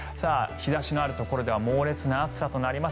日差しのあるところでは猛烈な暑さとなります。